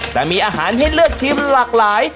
แต่มีอาหารให้เลือกชิมหลากหลาย